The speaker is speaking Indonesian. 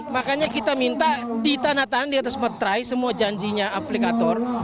makanya kita minta di tanda tangan di atas metrai semua janjinya aplikator